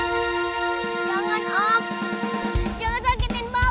jangan om jangan sakitin bagus